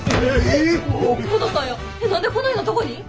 えっ何でこないなとこに？